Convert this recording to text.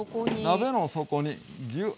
鍋の底にギュッ。